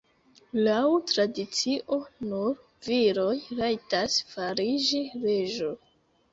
Laŭ tradicio nur viroj rajtas fariĝi reĝo.